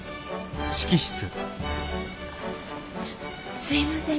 すすいません。